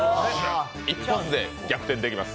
一発で逆転できます。